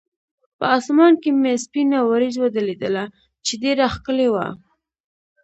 په اسمان کې مې سپینه ورېځ ولیدله، چې ډېره ښکلې وه.